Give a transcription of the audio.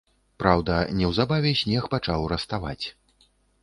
Праўда, неўзабаве снег пачаў раставаць.